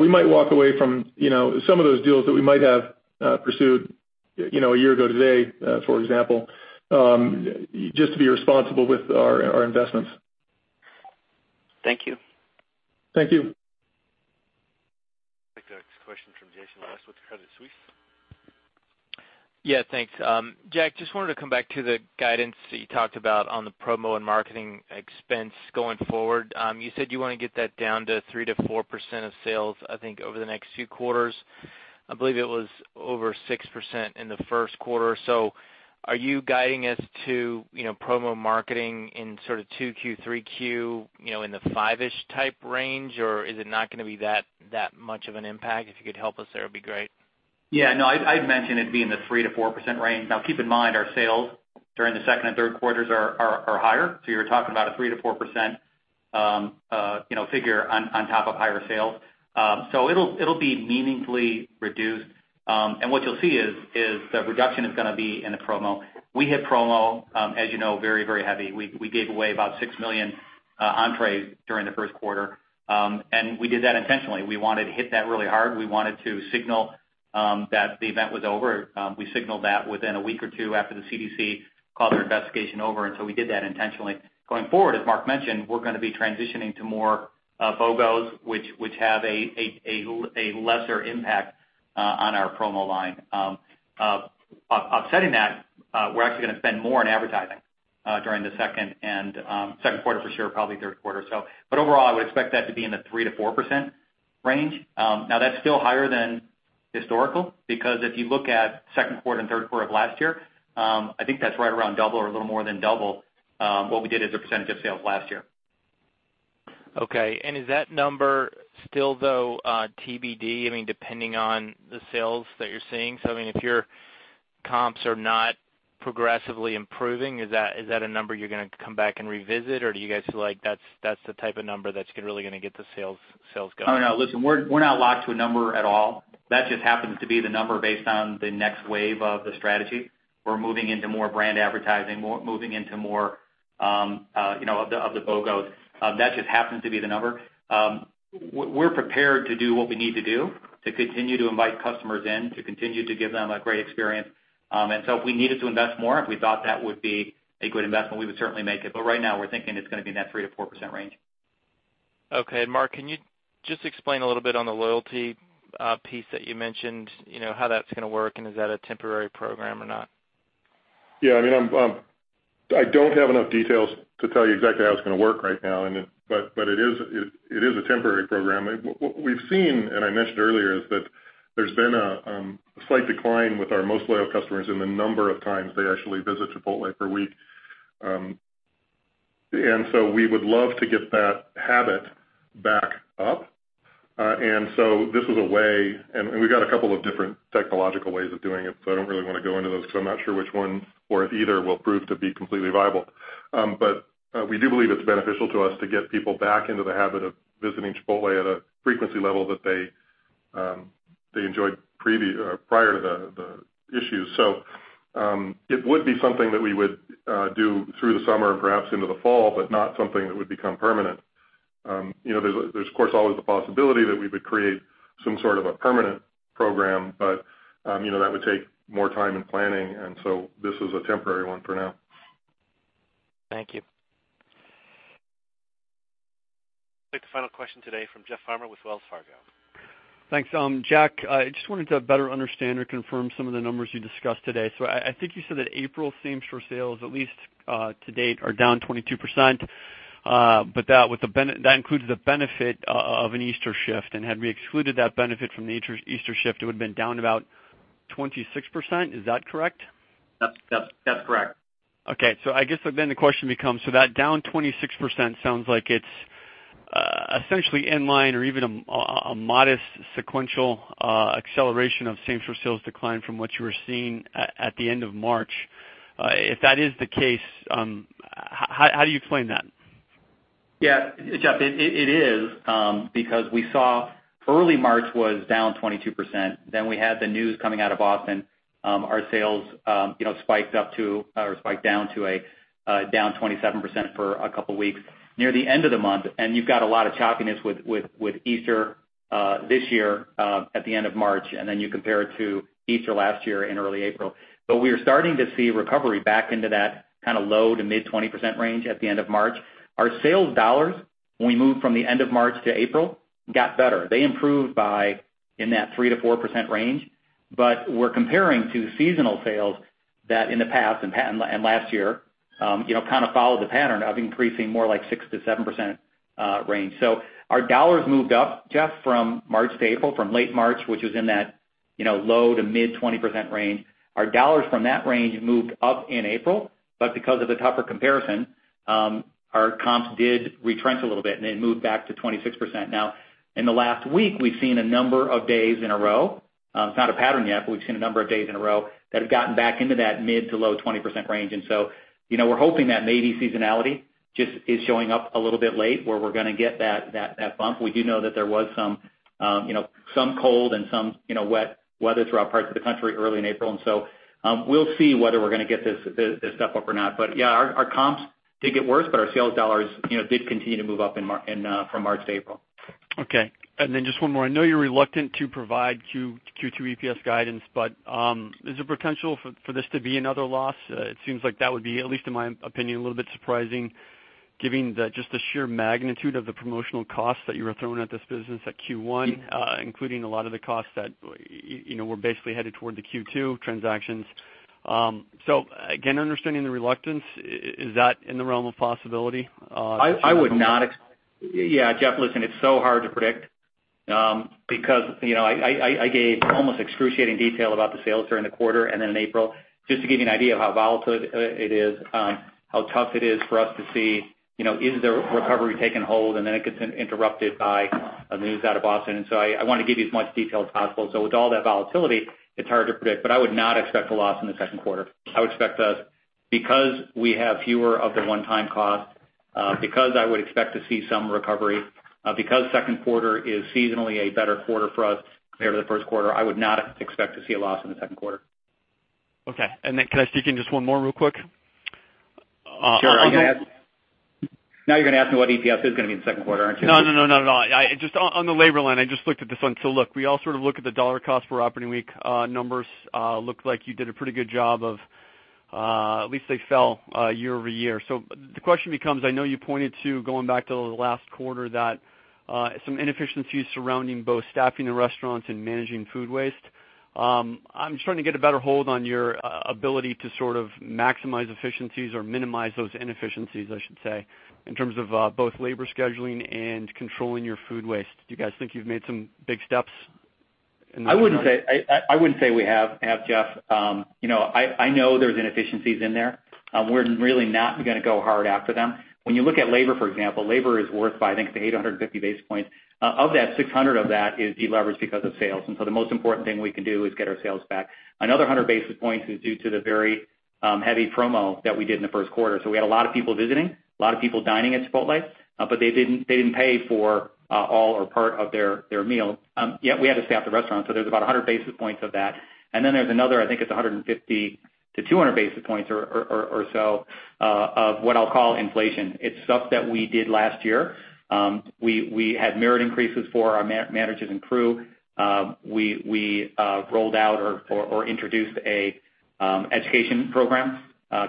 we might walk away from some of those deals that we might have pursued a year ago today, for example, just to be responsible with our investments. Thank you. Thank you. Take the next question from Jason West with Credit Suisse. Yeah. Thanks. Jack, just wanted to come back to the guidance that you talked about on the promo and marketing expense going forward. You said you want to get that down to 3%-4% of sales, I think, over the next few quarters. I believe it was over 6% in the first quarter. Are you guiding us to promo marketing in sort of 2Q, 3Q, in the five-ish type range? Or is it not going to be that much of an impact? If you could help us there, it'd be great. Yeah, no, I'd mentioned it being in the 3%-4% range. Keep in mind, our sales during the second and third quarters are higher. You're talking about a 3%-4% figure on top of higher sales. It'll be meaningfully reduced. What you'll see is the reduction is going to be in the promo. We hit promo, as you know, very, very heavy. We gave away about 6 million entrees during the first quarter. We did that intentionally. We wanted to hit that really hard. We wanted to signal that the event was over. We signaled that within a week or two after the CDC called their investigation over. We did that intentionally. Going forward, as Mark mentioned, we're going to be transitioning to more BOGOs, which have a lesser impact on our promo line. Offsetting that, we're actually going to spend more on advertising during the second quarter for sure, probably third quarter. Overall, I would expect that to be in the 3%-4% range. That's still higher than historical, because if you look at second quarter and third quarter of last year, I think that's right around double or a little more than double what we did as a percentage of sales last year. Okay. Is that number still, though, TBD, depending on the sales that you're seeing? If your comps are not progressively improving, is that a number you're going to come back and revisit? Or do you guys feel like that's the type of number that's really going to get the sales going? Oh, no. Listen, we're not locked to a number at all. That just happens to be the number based on the next wave of the strategy. We're moving into more brand advertising, moving into more of the BOGOs. That just happens to be the number. We're prepared to do what we need to do to continue to invite customers in, to continue to give them a great experience. If we needed to invest more, if we thought that would be a good investment, we would certainly make it. Right now, we're thinking it's going to be in that 3%-4% range. Okay. Mark, can you just explain a little bit on the loyalty piece that you mentioned, how that's going to work, and is that a temporary program or not? Yeah. I don't have enough details to tell you exactly how it's going to work right now, but it is a temporary program. What we've seen, and I mentioned earlier, is that there's been a slight decline with our most loyal customers in the number of times they actually visit Chipotle per week. We would love to get that habit back up. This was a way, and we've got a couple of different technological ways of doing it, so I don't really want to go into those because I'm not sure which one, or if either will prove to be completely viable. We do believe it's beneficial to us to get people back into the habit of visiting Chipotle at a frequency level that they enjoyed prior to the issues. It would be something that we would do through the summer and perhaps into the fall, but not something that would become permanent. There's, of course, always the possibility that we would create some sort of a permanent program, but that would take more time and planning, this is a temporary one for now. Thank you. Take the final question today from Jeff Farmer with Wells Fargo. Thanks. Jack, I just wanted to better understand or confirm some of the numbers you discussed today. I think you said that April same-store sales, at least to date, are down 22%, but that includes the benefit of an Easter shift, and had we excluded that benefit from the Easter shift, it would've been down about 26%. Is that correct? That's correct. Okay. I guess the question becomes, so that down 26% sounds like it's essentially in line or even a modest sequential acceleration of same-store sales decline from what you were seeing at the end of March. If that is the case, how do you explain that? Yeah, Jeff, it is, because we saw early March was down 22%. We had the news coming out of Boston. Our sales spiked down to a down 27% for a couple of weeks. Near the end of the month, and you've got a lot of choppiness with Easter this year at the end of March, and then you compare it to Easter last year in early April. We are starting to see recovery back into that low to mid 20% range at the end of March. Our sales dollars, when we moved from the end of March to April, got better. They improved by in that 3%-4% range. We're comparing to seasonal sales that in the past and last year kind of followed the pattern of increasing more like 6%-7% range. Our dollars moved up just from March to April, from late March, which was in that low to mid 20% range. Our dollars from that range moved up in April, but because of the tougher comparison, our comps did retrench a little bit, and they moved back to 26%. Now, in the last week, we've seen a number of days in a row. It's not a pattern yet, but we've seen a number of days in a row that have gotten back into that mid to low 20% range. We're hoping that maybe seasonality just is showing up a little bit late, where we're going to get that bump. We do know that there was some cold and some wet weather throughout parts of the country early in April. We'll see whether we're going to get this stuff up or not. Yeah, our comps did get worse, but our sales dollars did continue to move up from March to April. Okay. Just one more. I know you're reluctant to provide Q2 EPS guidance, is there potential for this to be another loss? It seems like that would be, at least in my opinion, a little bit surprising given just the sheer magnitude of the promotional costs that you were throwing at this business at Q1, including a lot of the costs that were basically headed toward the Q2 transactions. Again, understanding the reluctance, is that in the realm of possibility? Yeah, Jeff, listen, it's so hard to predict because I gave almost excruciating detail about the sales during the quarter in April, just to give you an idea of how volatile it is, how tough it is for us to see, is the recovery taking hold, then it gets interrupted by news out of Boston. I want to give you as much detail as possible. With all that volatility, it's hard to predict, I would not expect a loss in the second quarter. I would expect us, because we have fewer of the one-time costs, because I would expect to see some recovery, because second quarter is seasonally a better quarter for us compared to the first quarter, I would not expect to see a loss in the second quarter. Okay. Can I sneak in just one more real quick? Sure. Now you're going to ask me what EPS is going to be in the second quarter, aren't you? No, not at all. Look, we all sort of look at the dollar cost per operating week numbers. Looked like you did a pretty good job of at least they fell year-over-year. The question becomes, I know you pointed to going back to the last quarter that some inefficiencies surrounding both staffing the restaurants and managing food waste. I'm just trying to get a better hold on your ability to maximize efficiencies or minimize those inefficiencies, I should say, in terms of both labor scheduling and controlling your food waste. Do you guys think you've made some big steps in this regard? I wouldn't say we have, Jeff. I know there's inefficiencies in there. We're really not going to go hard after them. When you look at labor, for example, labor is worth, I think, 850 basis points. Of that, 600 of that is deleveraged because of sales. The most important thing we can do is get our sales back. Another 100 basis points is due to the very heavy promo that we did in the first quarter. We had a lot of people visiting, a lot of people dining at Chipotle, but they didn't pay for all or part of their meal, yet we had to staff the restaurant. There's about 100 basis points of that. There's another, I think it's 150 to 200 basis points or so of what I'll call inflation. It's stuff that we did last year. We had merit increases for our managers and crew. We rolled out or introduced a education program,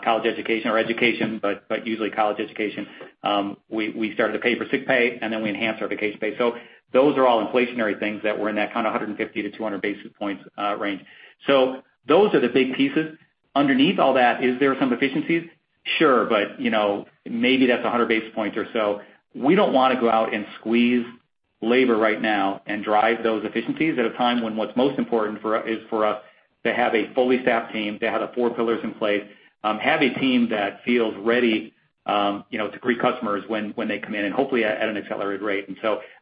college education or education, but usually college education. We started to pay for sick pay, we enhanced our vacation pay. Those are all inflationary things that were in that kind of 150 to 200 basis points range. Those are the big pieces. Underneath all that, is there some efficiencies? Sure. Maybe that's 100 basis points or so. We don't want to go out and squeeze labor right now and drive those efficiencies at a time when what's most important is for us to have a fully staffed team, to have the four pillars in place, have a team that feels ready to greet customers when they come in, and hopefully at an accelerated rate.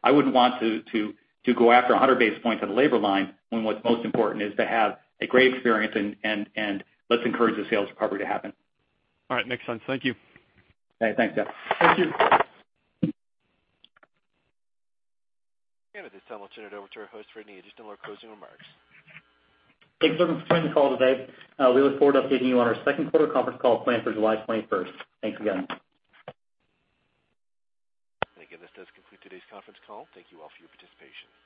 I wouldn't want to go after 100 basis points on the labor line when what's most important is to have a great experience, and let's encourage the sales recovery to happen. All right, makes sense. Thank you. Thanks, Jeff. Thank you. At this time, I'll turn it over to our host for any additional or closing remarks. Thanks everyone for joining the call today. We look forward to updating you on our second quarter conference call planned for July 21st. Thanks again. Again, this does complete today's conference call. Thank you all for your participation.